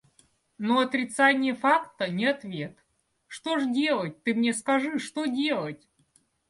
Но отрицание факта — не ответ. Что ж делать, ты мне скажи, что делать?